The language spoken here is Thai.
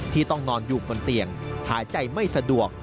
ที่ต้องนอนอยู่บนเตียงหายใจไม่สะดวก